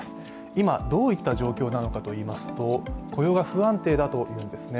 今、どういった状況なのかといいますと、雇用が不安定だというんですね。